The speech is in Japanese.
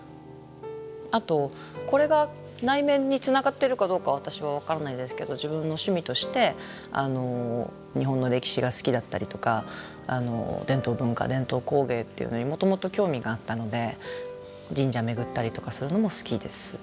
あとこれが内面につながってるかどうか私は分からないですけど自分の趣味として日本の歴史が好きだったりとか伝統文化伝統工芸っていうのにもともと興味があったので神社巡ったりとかするのも好きです。